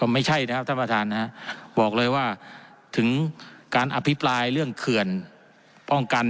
ไม่ใช่นะครับท่านประธานถึงการอภิบายเรื่องเขื่อนป้องกัน